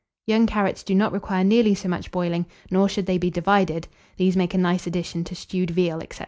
Young carrots do not require nearly so much boiling, nor should they be divided: these make a nice addition to stewed veal, &c.